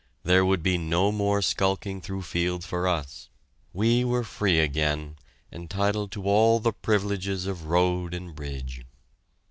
There would be no more skulking through fields for us. We were free again, entitled to all the privileges of road and bridge.